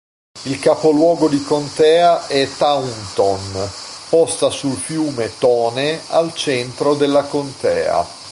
Il capoluogo di contea è Taunton posta sul fiume "Tone" al centro della contea.